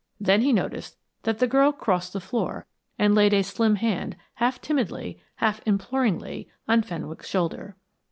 Then he noticed that the girl crossed the floor and laid a slim hand half timidly, half imploringly, on Fenwick's shoulder.